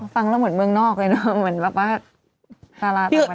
ฟังแล้วเหมือนเมืองนอกเลยเนอะเหมือนแบบว่าดาราต่าง